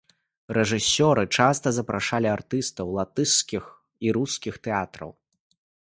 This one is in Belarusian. Рэжысёры часта запрашалі артыстаў латышскіх і рускіх тэатраў.